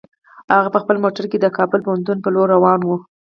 هغه په خپل موټر کې د کابل پوهنتون په لور روان و.